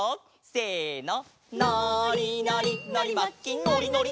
せの！